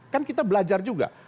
kan kita belajar juga